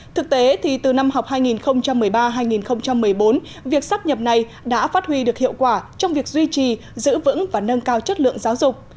thực tế thì từ năm học hai nghìn một mươi ba hai nghìn một mươi bốn việc sắp nhập này đã phát huy được hiệu quả trong việc duy trì giữ vững và nâng cao chất lượng giáo dục